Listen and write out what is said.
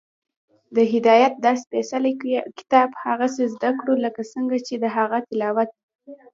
د هدایت دا سپېڅلی کتاب هغسې زده کړو، لکه څنګه چې د هغه تلاوت